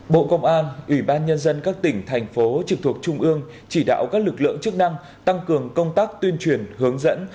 bộ công an ủy ban nhân dân các tỉnh thành phố trực thuộc trung ương chỉ đạo các lực lượng chức năng tăng cường công tác tuyên truyền hướng dẫn